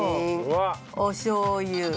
おしょうゆ。